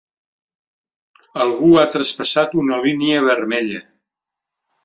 Algú ha traspassat una línia vermella.